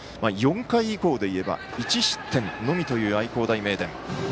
４回以降でいえば１失点のみという愛工大名電。